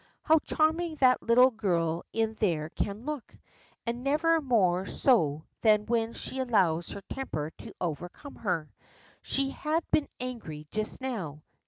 How charming that little girl in there can look! And never more so than when she allows her temper to overcome her. She had been angry just now.